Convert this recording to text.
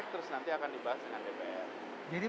terus nanti akan dibahas dengan dpr